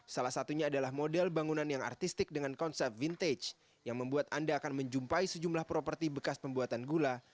salah satunya adalah model bangunan yang artistik dengan konsep vintage yang membuat anda akan menjumpai sejumlah properti bekas pembuatan gula